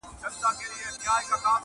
نن دي بیا سترګو کي رنګ د میکدو دی,